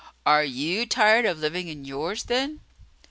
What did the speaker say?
"Are you tired of living in yours, then?"